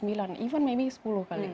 bahkan mungkin sepuluh kali